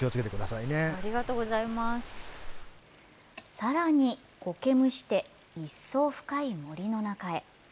さらに、こけむして一層深い森の中へ。